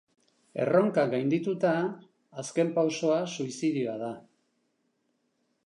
Erronkak gaindituta, azken pausoa suizidioa da.